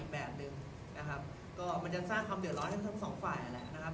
แบบหนึ่งนะครับก็มันจะสร้างความเดือดร้อนให้ทั้งสองฝ่ายนั่นแหละนะครับ